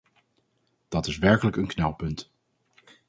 Dat is werkelijk een knelpunt.